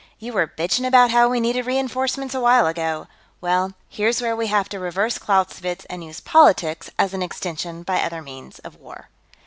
"You were bitching about how we needed reenforcements, a while ago. Well, here's where we have to reverse Clausewitz and use politics as an extension by other means of war."